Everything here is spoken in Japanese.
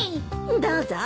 どうぞ。